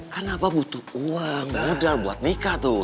kan apa butuh uang modal buat nikah tuh